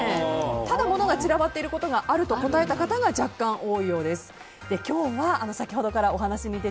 ただ、物が散らばっていることがあると答えた方が「システマ」